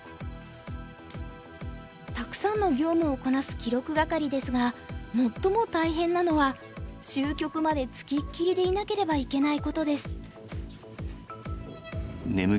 たくさんの業務をこなす記録係ですが最も大変なのは終局まで付きっきりでいなければいけないことです。